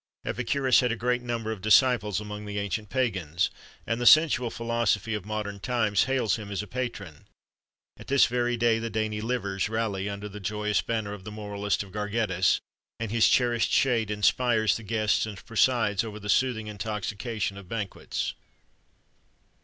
Epicurus had a great number of disciples among the ancient pagans, and the sensual philosophy of modern times hails him as a patron. At this very day the dainty livers rally under the joyous banner of the moralist of Gargettus, and his cherished shade inspires the guests and presides over the soothing intoxication of banquets.